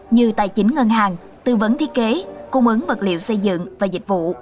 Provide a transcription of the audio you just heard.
như tài chính ngân hàng tư vấn thiết kế cung ứng vật liệu xây dựng và dịch vụ